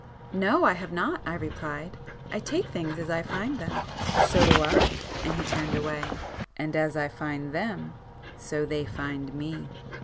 "No, I have not,"—I replied—"I take things as I find them." "So do I,"—and he turned away, "And as I find them, so they find me!